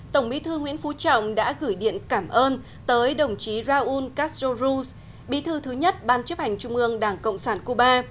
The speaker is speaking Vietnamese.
tổng bí thư nguyễn phú trọng đã gửi điện cảm ơn tới đồng chí raúl castro ruz bí thư thứ nhất ban chấp hành trung ương đảng cộng sản cuba